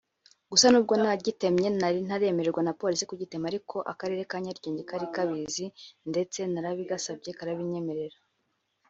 gusa nubwo nagitemye nari ntaremererwa na Polisi kugitema ariko Akarere ka Nyarugenge kari Kabizi ndetse narabigasabye karabinyemerera